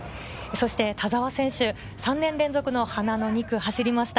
田澤選手、３年連続で花の２区を走りました。